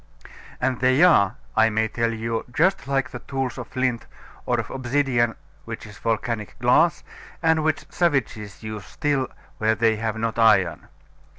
And they are, I may tell you, just like the tools of flint, or of obsidian, which is volcanic glass, and which savages use still where they have not iron.